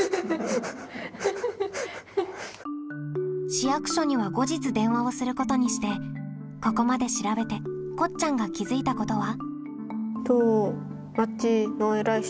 市役所には後日電話をすることにしてここまで調べてこっちゃんが気づいたことは？